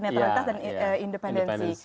netralitas dan independensi